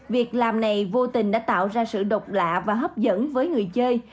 việc làm này vô tình đã tạo ra sự độc lạ và hấp dẫn với người chơi